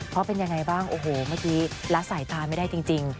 เพราะเป็นยังไงบ้างโอ้โหเมื่อกี้ละสายตาไม่ได้จริง